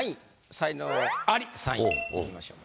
才能アリ３位いきましょう。